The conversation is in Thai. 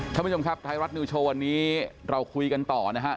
ท่านผู้ชมครับไทยรัฐนิวโชว์วันนี้เราคุยกันต่อนะฮะ